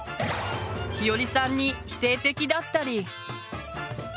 ひよりさんに否定的だったり。